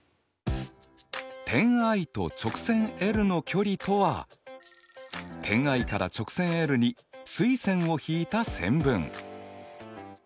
点Ｉと直線の距離とは点Ｉから直線に垂線を引いた線分。